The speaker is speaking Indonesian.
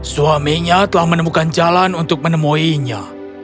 suaminya telah menemukan jalan untuk menemuinya